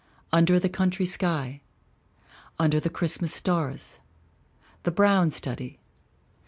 Under the Country Sky. Under the Christmas Stars. The Brown Study.